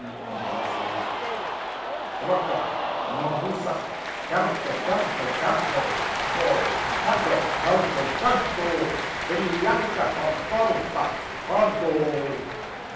_] FIRST LORD. Throca movousus, cargo, cargo, cargo. ALL. _Cargo, cargo, cargo, villianda par corbo, cargo.